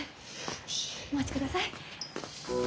お待ちください。